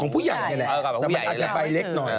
ใบเล็กหน่อย